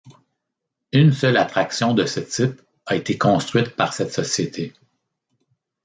Une seule attraction de ce type a été construite par cette société.